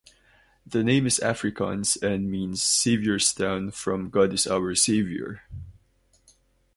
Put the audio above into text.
The name is Afrikaans and means "Saviour's Town", from "God is our Saviour".